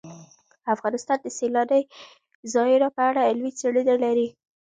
افغانستان د سیلانی ځایونه په اړه علمي څېړنې لري.